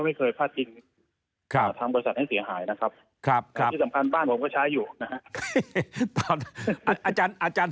มองคือเป็นมาทำกฎศัษย์ให้เสียหายนะครับที่สำคัญบ้านผมก็ใช้อยู่นะครับ